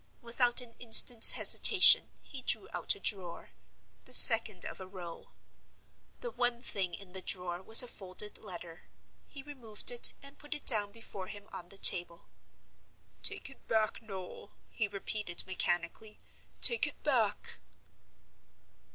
Without an instant's hesitation, he drew out a drawer, the second of a row. The one thing in the drawer was a folded letter. He removed it, and put it down before him on the table. "Take it back, Noel!" he repeated, mechanically; "take it back!"